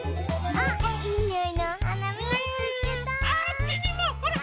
ああっちにもほら！